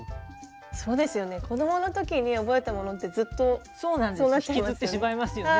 そうですよね子供の時に覚えたものってずっとそうなっちゃいますよね。